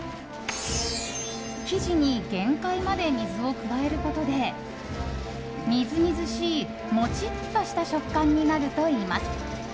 生地に限界まで水を加えることでみずみずしいモチッとした食感になるといいます。